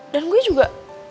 dan gue juga